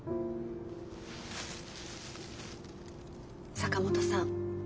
坂本さん